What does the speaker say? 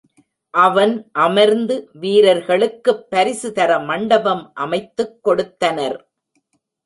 அவன் அமர்ந்து வீரர்களுக்குப் பரிசு தர மண்டபம் அமைத்துக் கொடுத்தனர்.